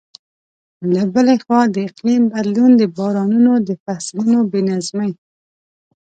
له بلې خوا، د اقلیم بدلون د بارانونو د فصلونو بې نظمۍ.